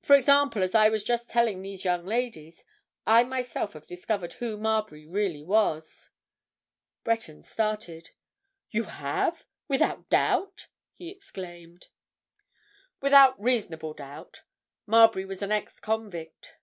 For example, as I was just telling these young ladies, I myself have discovered who Marbury really was." Breton started. "You have? Without doubt?" he exclaimed. "Without reasonable doubt. Marbury was an ex convict."